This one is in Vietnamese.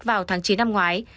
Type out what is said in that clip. vào tháng chín năm ngoái